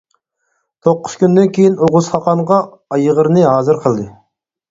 توققۇز كۈندىن كېيىن، ئوغۇز خاقانغا ئايغىرنى ھازىر قىلدى.